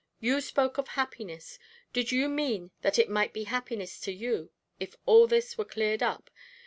You spoke of happiness. Did you mean that it might be happiness to you, if all this were cleared up?